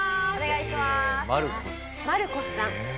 マルコスさん。